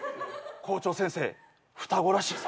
校長先生双子らしいぞ。